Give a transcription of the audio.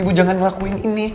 ibu jangan ngelakuin ini